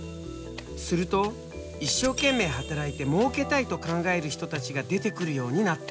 すると一生懸命働いてもうけたいと考える人たちが出てくるようになった。